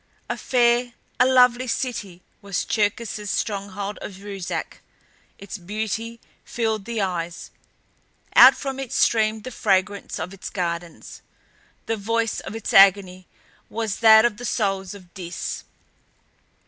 A fair, a lovely city was Cherkis's stronghold of Ruszark. Its beauty filled the eyes; out from it streamed the fragrance of its gardens the voice of its agony was that of the souls in Dis.